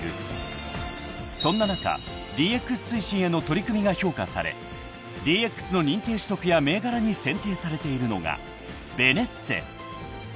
［そんな中ＤＸ推進への取り組みが評価されＤＸの認定取得や銘柄に選定されているのがベネッセ］